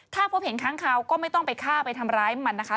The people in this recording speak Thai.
ถ้าพบเห็นค้างคาวก็ไม่ต้องไปฆ่าไปทำร้ายมันนะคะ